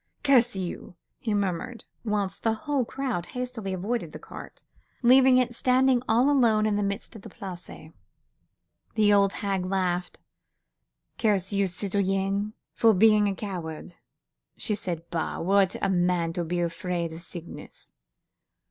"Curse you!" he muttered, whilst the whole crowd hastily avoided the cart, leaving it standing all alone in the midst of the place. The old hag laughed. "Curse you, citoyen, for being a coward," she said. "Bah! what a man to be afraid of sickness."